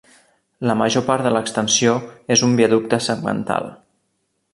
La major part de l'extensió és un viaducte segmental.